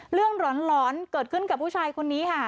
หลอนเกิดขึ้นกับผู้ชายคนนี้ค่ะ